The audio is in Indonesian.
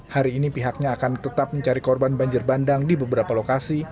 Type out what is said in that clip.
hari ini pihaknya akan tetap mencari korban banjir bandang di beberapa lokasi